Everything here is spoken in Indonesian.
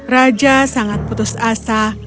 raja sangat putus asa